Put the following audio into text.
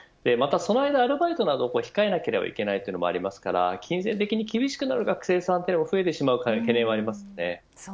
その間アルバイトなども控えなければいけないこともありますから金銭的に厳しくなる学生も増えてしまう懸念はあります。